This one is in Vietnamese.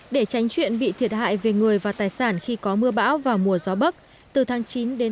để tránh chuyện bị thiệt hại về người và tài sản khi có mưa bão vào mùa gió bắc từ tháng chín đến